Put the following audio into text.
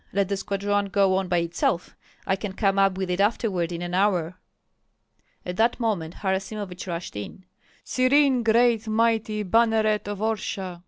Let the squadron go on by itself; I can come up with it afterward in an hour." At that moment Harasimovich rushed in. "Serene great mighty banneret of Orsha!"